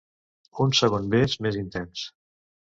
Un segon bes més intens.